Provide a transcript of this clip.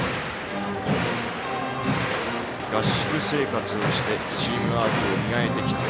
合宿生活をしてチームワークを磨いてきた。